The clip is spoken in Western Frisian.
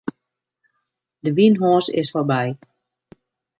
De wynhoas is foarby.